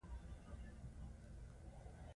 ځنګل ارامه شو او ټول خوشحاله وو.